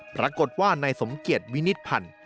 ปรากฏว่านายสมเกียจวินิตพันธ์